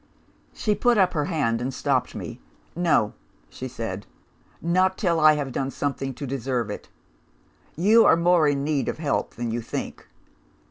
"She put up her hand and stopped me. 'No,' she said, 'not till I have done something to deserve it. You are more in need of help than you think.